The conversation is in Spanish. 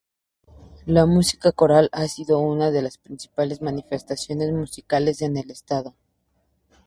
La música coral ha sido una de las principales manifestaciones musicales en el estado.